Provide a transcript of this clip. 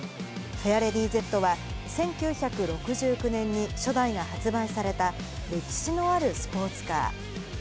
フェアレディＺは、１９６９年に初代が発売された、歴史のあるスポーツカー。